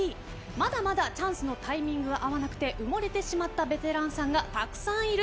まだまだチャンスのタイミングが合わなくて埋もれてしまったベテランさんがたくさんいる。